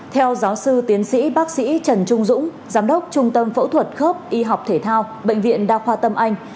theo giáo sư tiến sĩ bác sĩ trần trung dũng giám đốc trung tâm phẫu thuật khớp y học thể thao bệnh viện đa khoa tâm anh